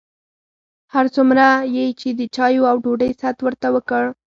هر څومره یې چې د چایو او ډوډۍ ست ورته وکړ.